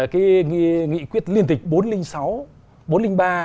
cái nghị quyết liên tịch bốn trăm linh sáu bốn trăm linh ba